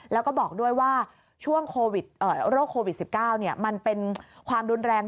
แล้วก็บอกด้วยว่าช่วงโรคโควิด๑๙มันเป็นความรุนแรง